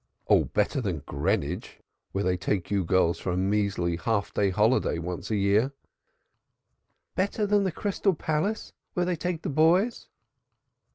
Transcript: "Oh, better than Greenwich where they take you girls for a measly day's holiday once a year." "Better than the Crystal Palace, where they take the boys?"